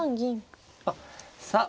あっさあ